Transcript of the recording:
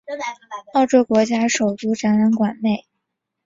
澳洲国家首都展览馆内。